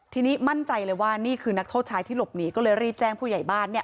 ทีนี้มั่นใจเลยว่านี่คือนักโทษชายที่หลบหนีก็เลยรีบแจ้งผู้ใหญ่บ้านเนี่ย